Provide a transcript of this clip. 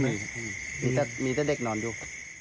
ไม่มีมีแต่เด็กนอนอยู่